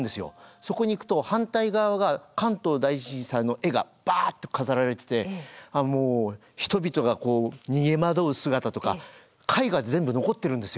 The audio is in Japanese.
そこに行くと反対側が関東大震災の絵がバッと飾られててもう人々がこう逃げ惑う姿とか絵画で全部残っているんですよ。